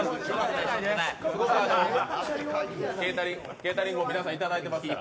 ケータリングも皆さんいただいてますから。